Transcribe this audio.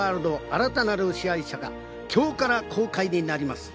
新たなる支配者』が今日から公開になります。